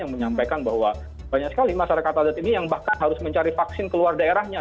yang menyampaikan bahwa banyak sekali masyarakat adat ini yang bahkan harus mencari vaksin keluar daerahnya